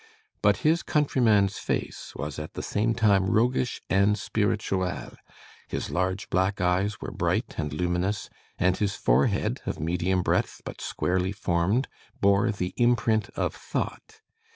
But his countryman's face was at the same time roguish and spirituelle, his large black eyes were bright and luminous, and his forehead, of medium breadth but squarely formed, bore the imprint of thought.